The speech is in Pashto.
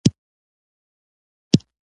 شرنګ د بنګړو، به و بیده سور وریښمین بالښت کي